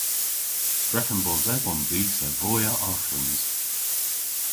Drefen bos edhom dhis a voy a arghans.